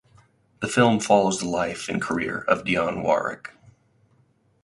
The film follows the life and career of Dionne Warwick.